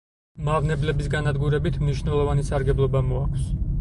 მავნებლების განადგურებით მნიშვნელოვანი სარგებლობა მოაქვს.